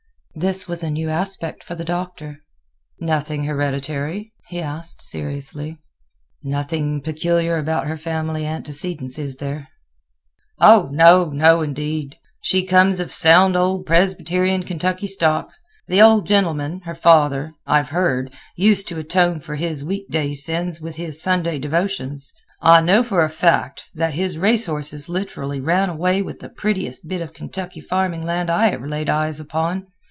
This was a new aspect for the Doctor. "Nothing hereditary?" he asked, seriously. "Nothing peculiar about her family antecedents, is there?" "Oh, no, indeed! She comes of sound old Presbyterian Kentucky stock. The old gentleman, her father, I have heard, used to atone for his weekday sins with his Sunday devotions. I know for a fact, that his race horses literally ran away with the prettiest bit of Kentucky farming land I ever laid eyes upon.